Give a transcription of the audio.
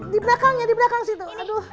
di belakangnya di belakang situ